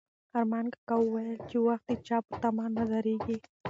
ارمان کاکا وویل چې وخت د چا په تمه نه درېږي.